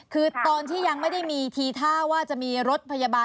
คือตอนที่ยังไม่ได้มีทีท่าว่าจะมีรถพยาบาล